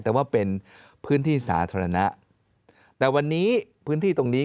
แต่ว่าเป็นพื้นที่สาธารณะแต่วันนี้พื้นที่ตรงนี้